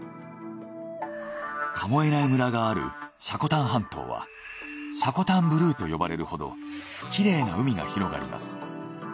神恵内村がある積丹半島はシャコタンブルーと呼ばれるほどきれいな海が広がります。